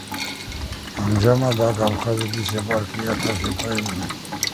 ამჟამად აქ აფხაზეთის ეპარქიაა თავშეფარებული.